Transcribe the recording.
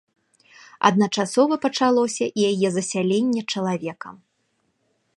Адначасова пачалося і яе засяленне чалавекам.